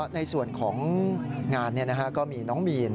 ในส่วนของงานก็มีน้องมีน